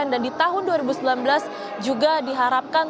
dan di tahun dua ribu sembilan belas juga diharapkan